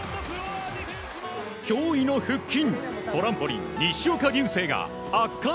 驚異の腹筋。